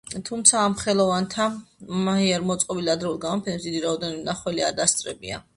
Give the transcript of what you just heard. თუმცა ამ ხელოვანთა მიერ მოწყობილ ადრეულ გამოფენებს დიდი რაოდენობით მნახველი არ დასწრებია.